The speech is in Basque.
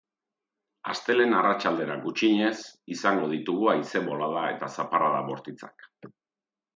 Astelehen arratsaldera, gutxienez, izango ditugu haize-bolada eta zaparrada bortitzak.